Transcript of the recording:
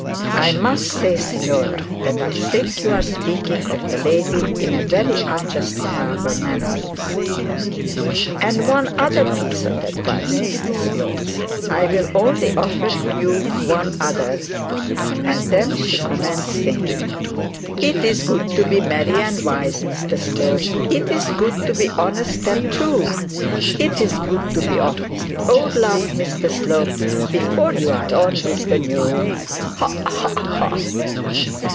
'I must say, signora, that I think you are speaking of the lady in a very unjustifiable manner.' 'And one other piece of advice, Mr Slope; I'll only offer you one other;' and then she commenced singing 'It's gude to be merry and wise, Mr Slope, It's gude to be honest and true; It's gude to be off with the old love, Mr Slope, Before you are on with the new 'Ha, ha, ha!'